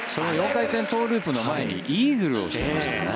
４回転トウループの前にイーグルを決めましたね。